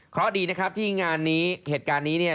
เพราะดีนะครับที่งานนี้เหตุการณ์นี้เนี่ย